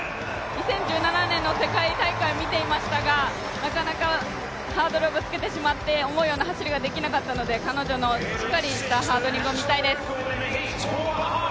２０１７年の世界大会を見ていましたがなかなかハードルをぶつけてしまって思うような走りができなかったので、彼女のしっかりしたハードリングを見たいです。